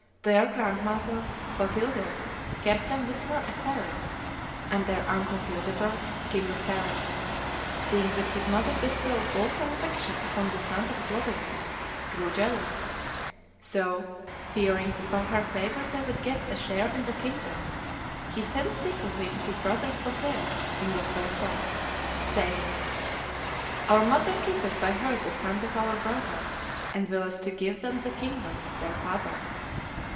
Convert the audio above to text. Their grandmother, Clotilde, kept them with her at Paris; and "their uncle Childebert (king of Paris), seeing that his mother bestowed all her affection upon the sons of Clodomir, grew jealous; so, fearing that by her favor they would get a share in the kingdom, he sent secretly to his brother Clotaire (king of Soissons), saying, 'Our mother keepeth by her the sons of our brother, and willeth to give them the kingdom of their father.